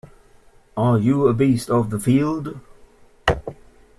Are you a beast of the field?